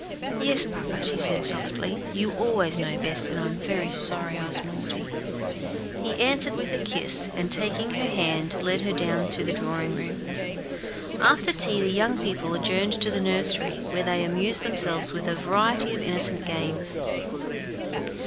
"Yes, papa," she said softly; "you always know best, and I am very sorry I was naughty." He answered with a kiss, and, taking her hand, led her down to the drawing room. After tea the young people adjourned to the nursery, where they amused themselves with a variety of innocent games.